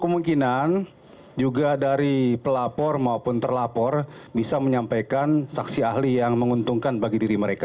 kemungkinan juga dari pelapor maupun terlapor bisa menyampaikan saksi ahli yang menguntungkan bagi diri mereka